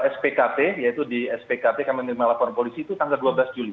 spkt yaitu di spkt kami menerima laporan polisi itu tanggal dua belas juli